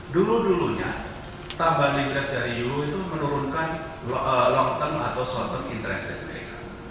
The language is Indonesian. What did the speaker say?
dulu dulunya tambahan migas dari euro itu menurunkan long term atau short term interest mereka